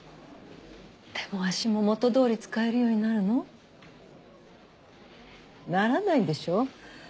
手も足も元どおり使えるようになるの？ならないんでしょ？